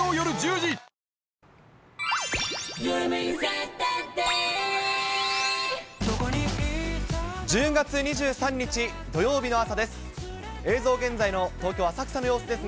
１０月２３日土曜日の朝です。